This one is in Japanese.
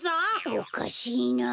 おかしいなあ。